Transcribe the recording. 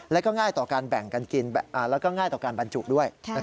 แล้วก็ง่ายต่อการแบ่งกันกินแล้วก็ง่ายต่อการบรรจุด้วย